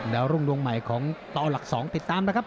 แล้วร่วมดวงใหม่ของต่อหลักสองติดตามนะครับ